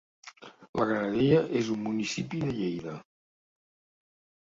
La Granadella és un municipi de Lleida.